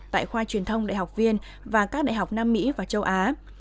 tại khoa truyền thông đại học viên và các đại học nam mỹ và châu á